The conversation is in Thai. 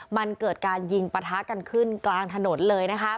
มันเกิดการยิงปะทะกันขึ้นกลางถนนเลยนะคะ